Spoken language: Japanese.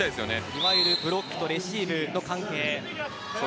いわゆるブロックとレシーブの関係。